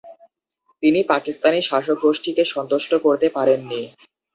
তিনি পাকিস্তানি শাসক গোষ্ঠীকে সন্তুষ্ট করতে পারেন নি।